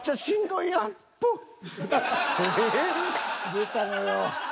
出たのよ。